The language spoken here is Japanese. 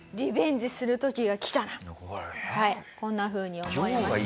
はいこんなふうに思いました。